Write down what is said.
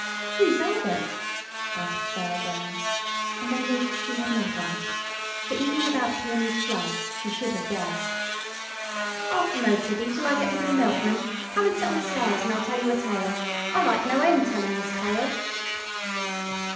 "Who's Elbert?" asked Sarah Brown, and then wished she had not asked, for even without Peony's flush she should have guessed. "'Arf a mo, kiddie, till I get rid of the milkman. Come an' sit on the stairs, an' I'll tell you a tale. I like no end tellin' this tale."